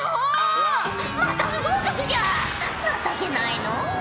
情けないのう。